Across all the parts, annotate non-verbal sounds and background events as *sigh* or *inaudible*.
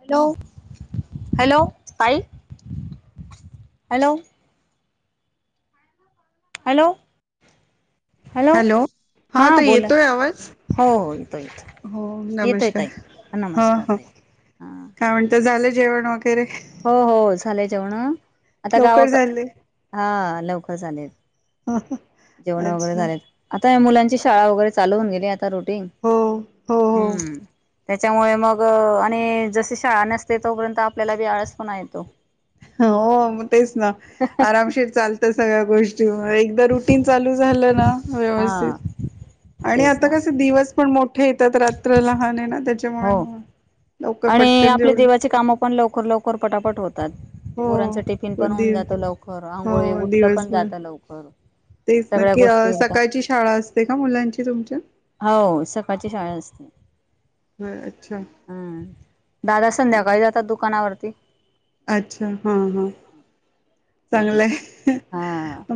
Hello! Hello! ताई, hello! Hello! Hello! हा हां ताई, बोला येतोय आवाज? हो हो येतो येतो हो, येतोय नमस्कार. ताई हं नमस्कार हं, ताई हा काय म्हण ता. झालं जेवण वगैरे? हो हो झाले जेवण. आता लवकर गावाक. झाले हा, लवकर झालेय. जेवण वगैरे अच्छा झाले. आता या मुलांची शाळा वगैरे चालू होऊन गेल्यात. रूटीन. हो हो हूं! त्याच्यामुळे मग आणि जशी शाळा नसते तोपर्यंत आपल्याला बी आळसपणा येतो. हो, मग तेच ना, आरामशीर चालतं सगळ्या गोष् एकदा रुटीन चालू झालं ना, व्यवस्थित हा आणि तेच आता ना कसे दिवस पण मोठे येतात, रात्र लहान आहे ना त्याच्यामुळे हो लवकर आणि पटकन आपले जेवले देवाचे कामं पण लवकर लवकर पटापट होतात. पोरांचं टिफिन हो पण होऊन दिव जातं लवकर, आंघोळी, हो उठलं पण दिवसभर जातं लवकर. तेच ना, सगळ्या की गोष्टी एकदम सकाळची शाळा असते का मुलांची तुमच्या? हो, सकाळची शाळा असते. ह अच्छा. हम्म, दादा संध्याकाळी जातात दुकानावरती. अच्छा हा हा हा चांगलंय.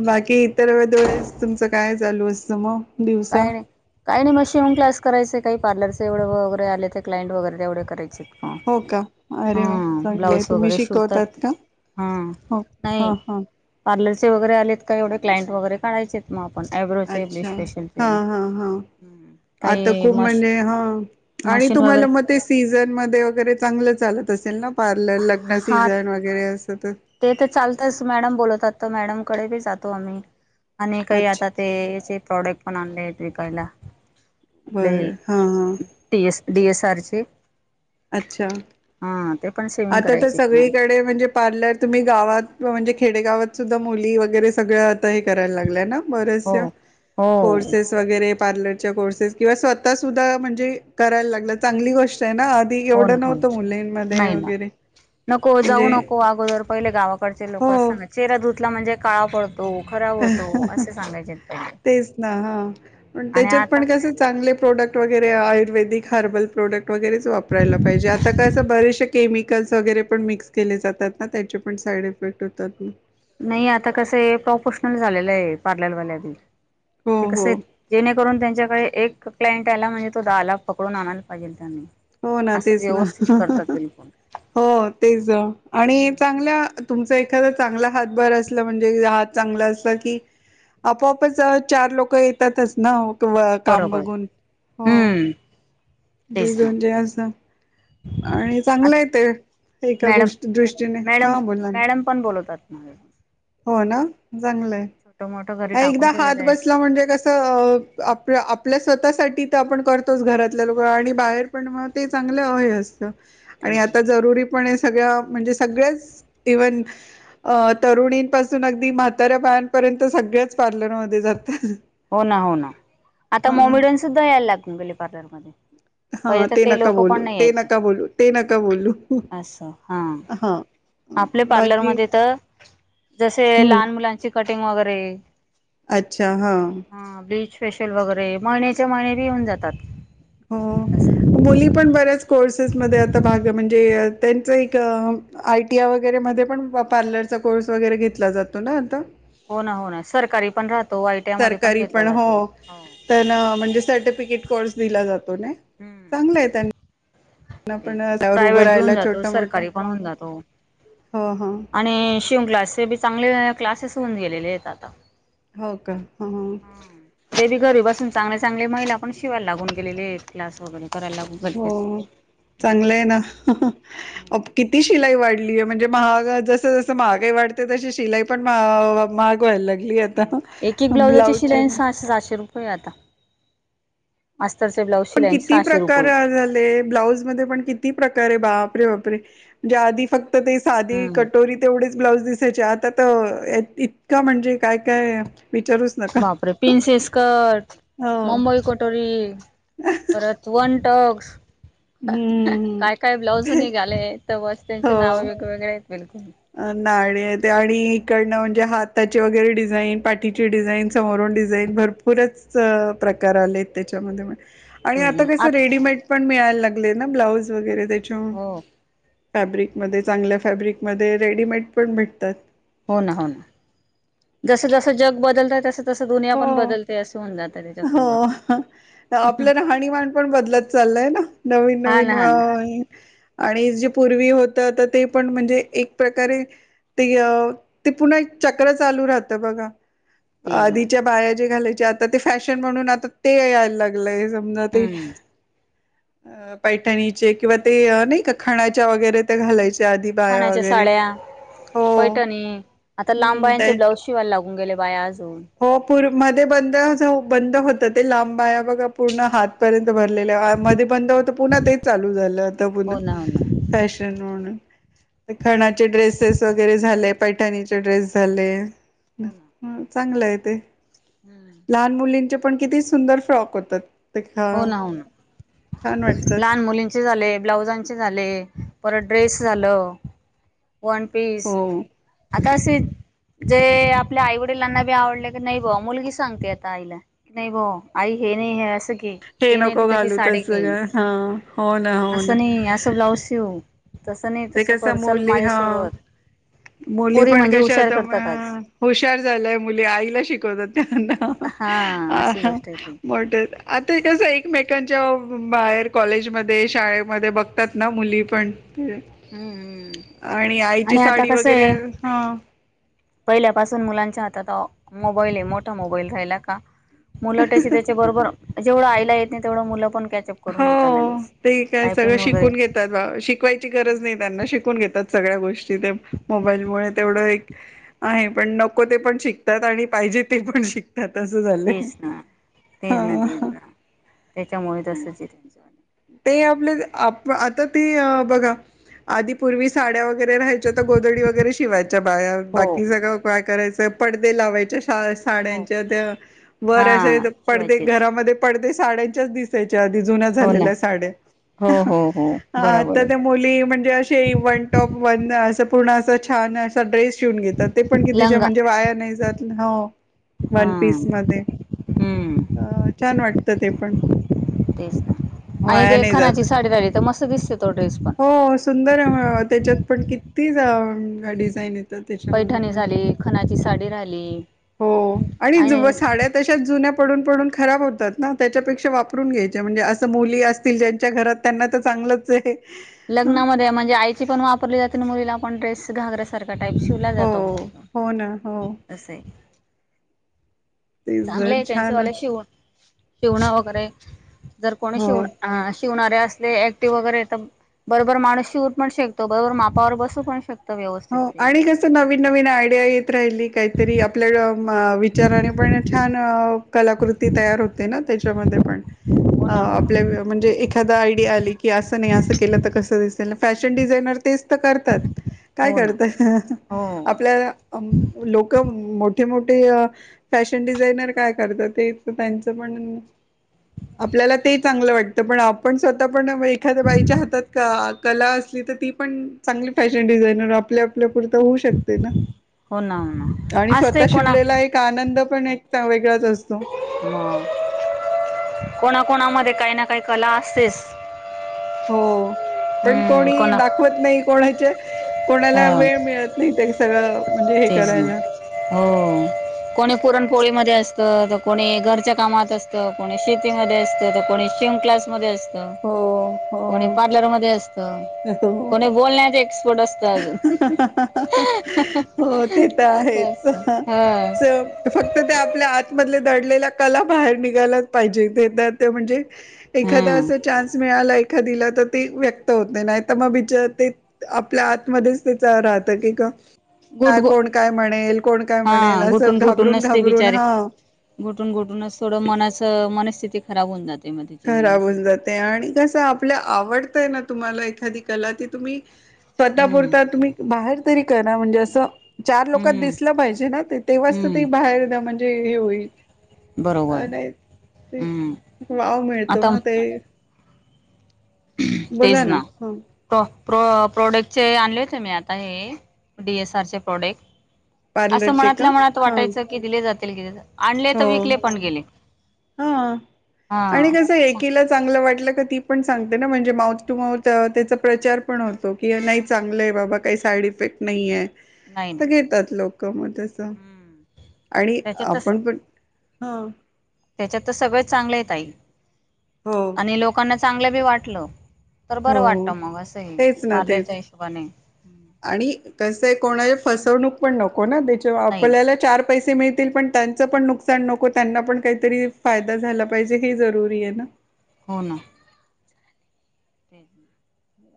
बाकी इतर वेळेस तुमचं काय चालू असतं मग? दिवसा काय नाही. काय नाही मग शिवण क्लाक्स करायचे, काय पार्लर चे एवढं वगैरे आले ते क्लायंट वगैरे तेवढ करायचे. हा. हो का हा अरे वा, चांगलं आहे, ब्लाऊज तुम्ही वगैरे शिवतात शिकवतात का? हा हो नाही. ह ह. पार्लरचे वगैरे आलेत का एवढे क्लायंट वगैरे काढयचे आहेत मग आपण, अ एब्रो चे अच्छा ब्लिच फेशिअल हा हा हा आता खूप मश म्हणजे हा, आणि मशीन वगैरे तुम्हाला ते सीझन मध्ये वगैरे चांगलं चालत असेल ना पार्लर, लग्न हा सीझन वगैरे अस तर? ते तर चालतच मॅडम बोलवतात, तर मॅडमकडे बी जातो आम्ही, आणि काही अच्छा आता तेचे प्रॉडक्ट पण आणले आहेत विकायला, आपले बरं हा हा टी एस डी एस आरचे. अच्छा. हा ते पण सेविंग आता तर करायचे तुम्हाला सगळीकडे म्हणजे पार्लर तुम्ही गावात, म्हणजे खेडेगावात सुद्धा मुली वगैरे सगळं आता हे करायला लागलंय ना. हो बऱ्याचसा हो कोर्सेस वगैरे पार्लर चे कोर्सेस किंवा स्वतः सुद्धा कराय लागले चांगली गोष्ट आहे ना. हो ना एवढं हो नव्हतं ना मुलींमध्ये नाही ना वगैरे नको म्हणजे जाऊ नको अग अगोदर पहिले गावाकडचे हो लोकं असतना, चेहरा धुतला म्हणजे काळा पडतो तो खराब होतो असे सांगायचेत तेनी तेच ना हा, प त्याच्यात पण कसे चांगले प्रोडक्ट वगैरे आयुर्वेदिक हर्बल प्रोडक्ट वगैरेच वापरायला पाहिजे, आता कसं बरेचशे केमिकल्स वगैरे पण मिक्स केले जातात ना, त्याचे पण साईड इफेक्ट होतात,. नाही आता कसं आहे, प्रॉफेशनल झालेलं आहे पार्लरवाल्यातील, हो ते कसं हो जेणेकरून त्यांच्याकडे एक क्लाइंट आला म्हणजे तो दहाला पकडून आणायला पाहिजे त्यांनी. हो ना असं तेच ना,, व्यवस्थित करतात बिलकुल. हो तेच, आणि चांगल्या तुमचा एखादा चांगला हातभार असला म्हणजे,, हात चांगला असला कि आपोआपच चार लोकं येतातच ना काम बरोबर बघून, हो. हम्म तेच तेज ना. म्हणज असं, आणि चांगलं आहे ते एका मॅडम गोष्ट दृष्टीने, मॅडम हां बोला न. मॅडम पण बोलवतात मला. हो ना चांगलंय. तोमोटा झा म एकदा हात बसला म्हणजे कसं आप आपल्या स्वतःसाठी तर आपण करतोच, घरातल्या लोकं आणि बाहेर पण मग ते चांगलं हे असतं, आणि तेच आता जरूरी पण हे सगळ्या, म्हणजे सगळेच इव्हन अ तरुणींपासून अगदी म्हाताऱ्या बायांपर्यंत सगळ्याच पार्लरमध्ये जातात. हो ना हो ना आता हां, मोमिडन सुद्धा यायला लागले पार्लरमध्ये. पहिले हां, तर ते नका लोक पण बोलू, नाही ते यायचे नका बोलू, ते नका बोलू. असं हा. हां, आपल्या बाकी पार्लरमध्ये तर जसे हं, लहान मुलांची कटिंग वगैरे अच्छा हां. हा ब्लीच फेशिल वगैरे महिन्याच्या महिन्याला येऊन जातात हो अस हाय मुली पण बऱ्याच कोर्सेसमध्ये आता भाग म्हणजे त्यांच एक आय टी आय वगैरे मध्ये पण पार्लरचा कोर्स वगैरे घेतला जातो ना आता हो ना हो ना सरकारी पण राहतो, आयटीआ मध्ये पण सरकारी घेतला जातो. हो त्यांना म्हणजे सर्टिफिकेट कोर्स दिला जातो नय हम्म. चांगलाय त्यांन *inaudible* तेच पण ना त्यावर उभं प्रायव्हेट बी होऊन राहिला जातो छोटा मोठ सरकारी पण होऊन जातो. हो ह. आणि- कोचिंग क्लास ते बी चांगले क्लासेस होऊन गेलेले आहेत आता हो का ह हम्म ते बी घरी बासून चांगले चांगले महिला पण शिवायला लागून गेले आहेत क्लास वगैरे करायला लागून गेलेत. हो हम्म चांगलं आहे ना हम्म किती शिलाई वाढली आहे, म्हणजे महा जस जस महागाई वाढते तशी शिलाई पण महाग. होय लागली आहेत. एक एक ब्लाउजाची शिलाईन सहाशे सहाशे रुपये हाय आता अस्तरचे ब्लाउज पण किती प्रकार झालेत ब्लाउज मध्ये पण किती प्रकारे बापरे बापरे म्हणजे आधी फक्त ते साधी हम्म. कटोरी तेवढीच ब्लाउज दिसायचे आता त इतका म्हणजे काय काय विचारूच नका बापरे पिनसेस स्कर्ट हो मुंबई कटोरी परत वन डॉग्स हम काय काय ब्लाउज निघाले त बस त्यांचे नाव वेगळे वेेगळे आहेत बिलकुल नाडे ते आणि इकडनं म्हणजे हाताचे वगैरे डिझाईन. पाठीची डिझाईन, समोरून डिझाईन, भरपूरच प्रकार आलेत त्याच्यामध्ये म्हणे आणि आता कसं रेडीमेट पण मिळायला लागले ना ब्लाऊज वगैरे त्याच्या मूळ हो फॅब्रिकमध्ये चांगल्या फॅब्रिकमध्ये रेडीमेट पण भेटतात. हो ना. हो ना. जस जसं जग बदलतं, तसं तसं दुनिया हो, पण बदलते असं होऊन जातं हो त्याच्यासोबत आपलं राहणीमान पण बदलत चाललंय ना. नवीन हा नवीन ना हा ना - आणि जे पूर्वी होतं आता ते पण म्हणजे एक प्रकारे ते अ ते पुन्हा एक चक्र चालू राहतं बघा. तेच ना आधीच्या बाया जे घालायच्या आता ते फॅशन म्हणून आता ते यायला लागलंय. ते हम्म पैठणीचे किंवा ते नाही का खाण्याच्या वगेरे? ते घालायच्या आधी बाया वगैरे हो. मी आता लांब हम्म ते बाह्यांचे ब्लाऊज शिवायला लागून गेले बाय अजून. हो पूर मध्ये बंदच बंद होत ते, लांब बाह्या बघा. पूर्ण हातपर्यंत भरलेले, हा मध्ये बंद होत, पुन्हा तेच चालू झालं आता पुन. हो ना फॅशन हो ना. खणाचे ड्रेसेस वगैरे झाले, पैठाणीचे ड्रेस झाले,. हो ना हो ना ह, चांगलंय आहे ते. हम्म. लहान मुलींचे पण किती सुंदर फ्रॉक होतात. ते हो ना छान हो ना, वाटतात लहान मुलीऽ चे झाले, ब्लाउजांचे झाले, परत ड्रेस झालं, वन पीस, हो आता असेऽ जे आपल्या आई वडिलांना बी आवडले की नाही बुआ, मुलगी सांगते आता आईला. की नाही बो, आई हे नाही, हे असं घे. हे ते नाही ती नको तशी घालू साडी तस घे ग, हा,, हो ना हो ना. फक्त ब्लाऊज शिव. तसं नाही ते तसं कस कर चल मुली, हा, माझ्यासोबत मुली पोरी पण म्हणजे कशा हुशार होताऽ करतात आज हुशार झाल्या मुली, आईला शिकवतात हा अशी त्यांना, गोष्ट आहे ती मोठऽ आता कसंय एकमेकांच्या बाहेर, कॉलेजमध्ये, शाळेमध्ये बघतात ना मुली पण. तर, हम्म हम्म. आणि आईची आता साडी कसं वगैरे, आहे हं. पहिल्यापासून मुलांच्या हातात मोबाईल आहे, मोठा मोबाईल राहिला का. मुलं त्याचे त्याच्या बरोबर, जेवढं आईला येत नाही तेवढं मुलं पणऽ कॅचअप करून घेता हो लगेच, ते काय सगळं टायपिंग वगैरे, शिकून घेतात शिकवायची गरज हम्म नाही त्यांना, शिकून घेतात सगळ्या गोष्टी ते मोबाईलमुळे, तेवढं एकऽ आहे, पण नको ते पण शिकतात आणि पाहिजे ते पण शिकतात. त्या तस झालंय, तेच ना तेच ना हा. तेच ना त्याच्यामुळे तसंच येऽ ते आपले, आप आता ते बघा, आधी पूर्वी साड्या वगैरे राहायच्या तर गोदडी वगैरे शिवायच्या बाया. हो बाकी सगळं काय करायचं, पडदे लावायचे, शाळाऽ हो साड्यांच्या त्या, वर अशे हा पडदे शिवायचे घरामध्ये, पडदे साड्यांच्याच दिसऽ दिसायच्या आधी, जुन्या हो ना झालेल्या साड्या, हो हो हो बरोबर आऽ आहे मुली म्हणजे अशे वन टप वन, अस पूर्ण अस छानऽ ड्रेस शिवून घेतात, ते पण किती लंगा म्हणजे वाया नाही जात, हो. हा वन पीस मध्ये,, हम्म अ छान वाटतं ते पण. तेच ना, आणि वाया ते नाही खणाची जात साडी राहिली तर मस्त दिसते तो ड्रेस पन. हो, सुंदर आहे त्याच्यात पण किती डिझाईन ये. पैठणी झाली, खणाची साडी राहिली, हो, आणि ज साड्यातऽ तशात जुन्या पडून पडून खराब होतात ना, त्याच्यापेक्षा वापरून घ्यायच्या, म्हणजे असं मुली असतील ज्यांच्या घरातऽ त्यांना तर चांगलंच आहे. हं. लग्नामध्ये म्हणजे आईची पण वापरली जाते, आणि मुलीला आपण ड्रेस घागर्याा सारखा टाईप शिवाऽ वला जातो, हो हो ना हो होतते असय. तेच जर चांगले आहे छान त्यांच्यावाल वाट- शिवण शिवणं वगैरे जर कोणी हो शिवण ह शिवणारे असते ऍक्टिव्ह वगैरे तर बरोबर माणूस शिवू पण शेकतो बरोबर मापावर बसू पण शकतो हो व्यवस्थित ते आणि कस नवीन नवीन आयडिया येत राहिली काहीतरी आपल्या विचाराने पण छान कलाकृती तयार हो तेना त्याच्यामध्ये पण हो ना हाव हो ना आपल्या म्हणजे एक एखादा आयडिया आली की आसं नाही आसं केलं त कसं दिसेल, फॅशन डिझायनर तेच त करतात. काय हो ना करता हो आपल्याला लोकं मोठे, मोठे अ. फॅशन डिझायनर काय करतात, ते त त्यांचं पण आपल्याला ते चांगलं वाटतं पण आप पण स्वतः पण मं एखाद्या बाईच्या हातात अ कला असली त ती पण चांगली फॅशन डिझाईन नग आपल्या आपल्या पुरत होवू शकते ना हो ना हो आणि ना असते स्वतः कोणा शिवलेला एक आनंद पण एक ता वेगळाच असतो. हं कोणाकोणामध्ये काही ना काही कला असतेस. हो पण हम्म कोणी कोणा दाखवत नाही, कोणाच्या कोणाला हा वेळ मिळत नाही तरी सगळं. म्हणजे हे तेच ना करायला हो. कोणी पुरणपोळीमध्ये असत, तर कोणी घरच्या कामात असत, कोणी शेतीमध्ये असतं, तर कोणी शिंवन क्लास मध्ये असत, हो कोणी हो पार्लर मध्ये अस त, हो कोणी बोलण्यात एक्सपर्ट असत अजून. हो ते त असं आहेच असतं हा सेव फक्त त्या आपल्या आतमधले दडलेल्या कला बाहेर निघायलाच पाहिजे ते तर ते म्हणजे. एखादा हम्म अस चान्स मिळाला एखादीला त ती व्यक्त होत नाही त मग बिचा ते आप आपल्या आतमध्येच तीच राहत की क. कां गुट गु कोण काय म्हणेल, कोण काय हा म्हणेल, असं घाबरून घाबरून हं! घुटून घुटूनच थोडं मनाच मनस्थिती खराब होऊन जाते. मग तिची खराब असं होऊन जाते, आणि कसं आपल्या आवडतंय ना तुम्हाला एखादी कला ती तुम्ही स्वतः हम्म पुुरता तुम्ही बाहेर तरी करा म्हणजे असं. चार लोकांत हम्म दिसलं पाहिजे ना ते, तेव्हाच त ते हम्म बाहेर द म्हणजे हे होईल. बरोबर नाही हूं! तेच वाव मिळतो म ते. तेज बोला ना. ह *unintelligible* प्रोडक्टचे आणले होते मी आता हे डी एस आर चे प्रोडेक्ट. असं पार्लरचे का मनातल्या मनात हा वाटायचं की, दिले जातील दिले जात हो हा हा आणि कसं एक. केल चांगलं वाटलं का ती पण सांगते ना म्हणजे, माऊथ टू माउथ त्यां त्याचा प्रचार पण हो तो की नाही चांगलं आहे बाबा, काही साईड इफेक्ट नही ये. नाही त नाही घेतात लोक मग तस, हम्म आणि त्याच्यातच आपण पण. हा! त्याच्यात त सगळच चांगलय ताई. हो! ते लोकांना चांगलं बी वाटलं, तर बरं वाटत हो मग असंहे तेच ना पार्लरच्या तेच हिशोबाने. आणि कसय कोणाची फसवणूक पण नको ना, त्याच्या नाही आपल्याला चार पैसे मिळतील पण त्यांच पण नुकसान नको, त्यांना पण काहीतरी फायदा झाला पाहिजे हे जरुरी हे ना. हो ना. *inaudible*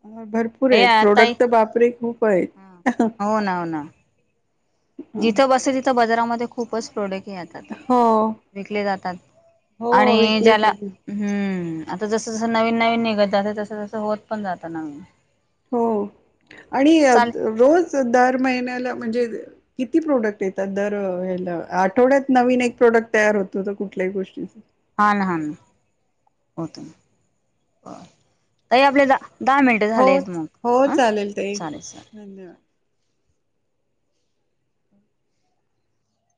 हा भरपूर हे प्रोडक्ट बापरे खूप आहेत. हो ना हो ना जिथं बसते तिथं बजारामध्ये खूपच प्रोडक्ट हे आतात, हो विकले जातात हो आणि विकले ज्याला जाते हूं आता जसं जसं, नवीन नवीन, निघत जात तस तस, होत पण जातं नवीन. हो आणि चालेल रोज दर महिन्याला म्हणजे किती प्रोडक्ट येतात दर ह्याला आठवड्यात नवीन एक प्रोडक्ट तयार होतो तर कुठल्याही गोष्टीच. हा ना हा होतो ना ताई आपले द दहा मिनिट हे हो झाले मग हो हं चालेल ताई चालेल चालेल. धन्यवाद.